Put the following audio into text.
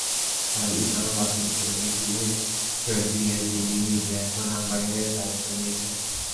তাই ইজারা বাতিল করে দিয়ে তিনি নিজেই এখন আমবাগানের দায়িত্ব নিয়েছেন।